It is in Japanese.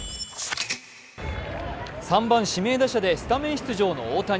３番・指名打者でスタメン出場の大谷。